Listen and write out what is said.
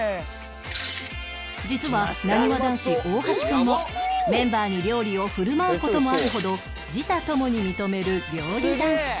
実はなにわ男子大橋くんもメンバーに料理を振る舞う事もあるほど自他共に認める料理男子